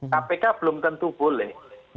kpk belum tentu boleh